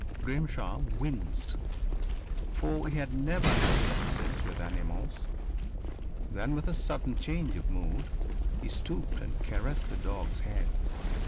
Grimshaw winced, for he had never had success with animals. Then, with a sudden change of mood, he stooped and caressed the dog's head.